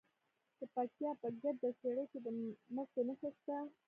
د پکتیا په ګرده څیړۍ کې د مسو نښې شته.